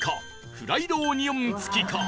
フライドオニオン付きか？